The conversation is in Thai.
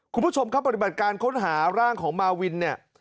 คุณผู้ชมครับปฏิบัติการค้นหาร่างของมาวินเนี่ย